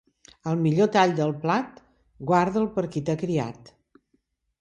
El millor tall del plat, guarda'l per qui t'ha criat.